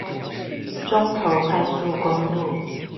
中投快速公路